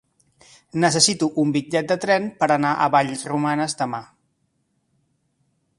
Necessito un bitllet de tren per anar a Vallromanes demà.